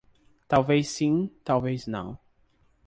Talvez sim, talvez não.